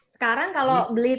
sekarang kalau beli tv